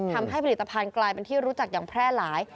ทำให้ผลิตภัณฑ์กลายเป็นที่รู้จักอย่างแพร่หลาย